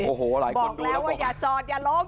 บอกแล้วว่าอย่าจอดอย่าลง